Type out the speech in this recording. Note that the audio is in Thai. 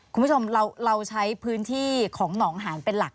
คุณผู้ชมเราใช้พื้นที่ของหนองหานเป็นหลัก